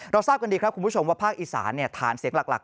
ทราบกันดีครับคุณผู้ชมว่าภาคอีสานฐานเสียงหลัก